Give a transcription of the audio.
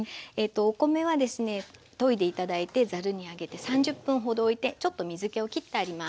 お米はですねといで頂いてざるに上げて３０分ほどおいてちょっと水けを切ってあります。